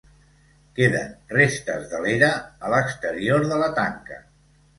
Queden restes de l'era a l'exterior de la tanca.